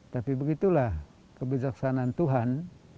tapi begitulah kebijaksanaan tuhan